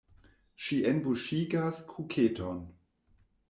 Ŝi enbuŝigas kuketon.